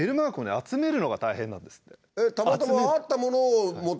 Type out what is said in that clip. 集めるのが大変なんですって。